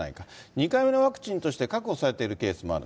２回目のワクチンとして確保されているケースもある。